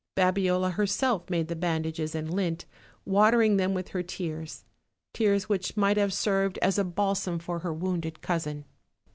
Babiola herself made the bandages and lint, watering them with her tears tears which might have served as a 208 OLD, OLD FAIRY TALES. balsam for her wounded cousin.